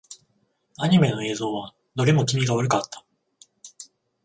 アニメの映像はどれも気味が悪かった。